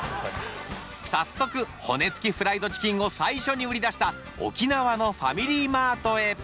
早速骨つきフライドチキンを最初に売り出した沖縄のファミリーマートへ。